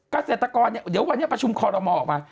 เกษตรกรเนี่ยเดี๋ยววันนี้ประชุมคอรมอออกมา